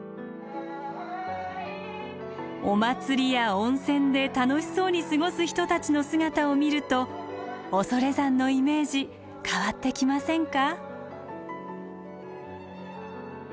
お祭りや温泉で楽しそうに過ごす人たちの姿を見ると恐山のイメージ変わってきませんか？